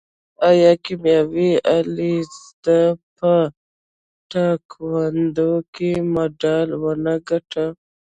آیا کیمیا علیزاده په تکواندو کې مډال ونه ګټه؟